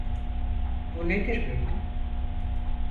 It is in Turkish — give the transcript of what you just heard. Bu nedir böyle?